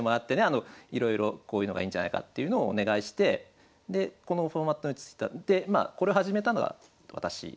あのいろいろこういうのがいいんじゃないかっていうのをお願いしてでこのフォーマットにでまあこれ始めたのは私からですね。